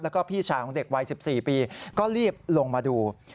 แล้วก็พี่ชายของเด็กวัย๑๔ปีก็รีบลงมาดู